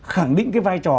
khẳng định cái vai trò